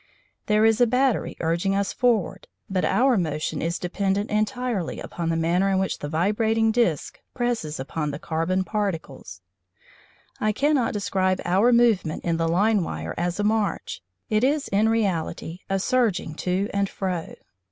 There is a battery urging us forward, but our motion is dependent entirely upon the manner in which the vibrating disc presses upon the carbon particles. I cannot describe our movement in the line wire as a march; it is in reality a surging to and fro.